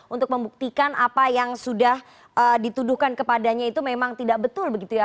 untuk membuktikan apa yang sudah dituduhkan kepadanya itu memang tidak betul begitu ya